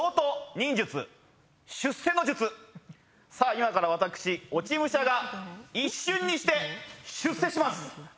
今から私落ち武者が一瞬にして出世します。